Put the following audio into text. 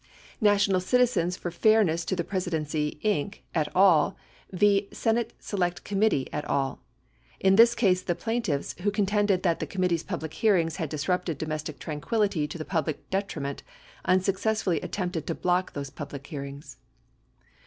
National Citizens for Fairness to the Presidency, Inc., et at. v. Senate Select Committee , et add In this case the plaintiffs, who contended that the committee's public hearings had disrupted domestic tranquility to the public detriment, unsuccessfully at tempted to block those public hearings.